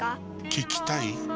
聞きたい？